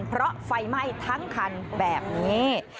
เพราะไฟไหม้ทั้งคันแบบนี้